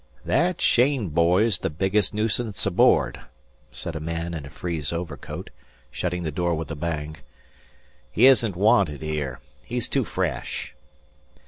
"That Cheyne boy's the biggest nuisance aboard," said a man in a frieze overcoat, shutting the door with a bang. "He isn't wanted here. He's too fresh."